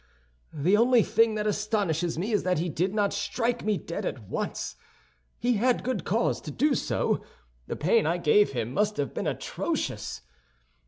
The only thing that astonishes me is that he did not strike me dead at once. He had good cause to do so; the pain I gave him must have been atrocious.